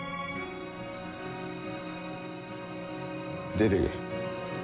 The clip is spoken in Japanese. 出ていけ。